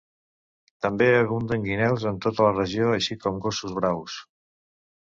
També abunden guineus en tota la regió així com gossos braus.